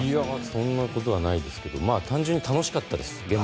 そんなことはないですけど単純に現場が楽しかったです。